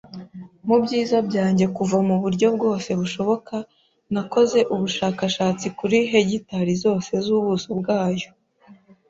mubyiza byanjye kuva muburyo bwose bushoboka; Nakoze ubushakashatsi kuri hegitari zose z'ubuso bwayo; I.